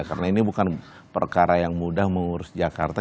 karena ini bukan perkara yang mudah mengurus jakarta